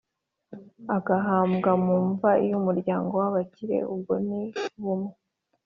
Agahambwa mu mva y umuryango w abakire ubwo ni bumwe